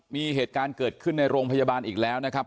มีเหตุการณ์เกิดขึ้นในโรงพยาบาลอีกแล้วนะครับ